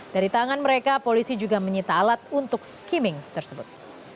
dari tangan mereka polisi juga menyita alat untuk skimming tersebut